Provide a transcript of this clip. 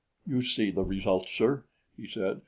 "You see the result, sir," he said.